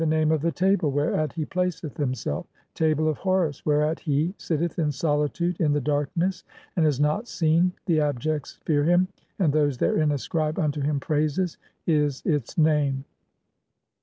name of the table whereat he placeth himself ; 'Table of "Horus [whereat he] sitteth in solitude in the darkness and is "not seen, the abjects fear him and those therein ascribe unto "him (16) praises', [is its name]."